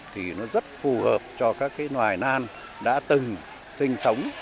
thì nó rất phù hợp cho các cái loài nan đã từng sinh sống